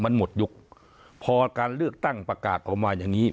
มันหมดยุคพอการเลือกตั้งประกาศออกมาอย่างนี้